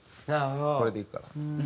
「これでいくから」っつって。